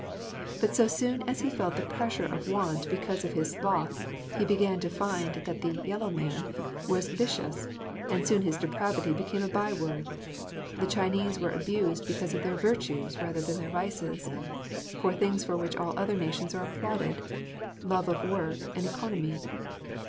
But so soon as he felt the pressure of want because of his sloth, he began to find that the "yellow man" was vicious, and soon his depravity became a by word. The Chinese were abused because of their virtues rather than their vices, for things for which all other nations are applauded love of work and economy.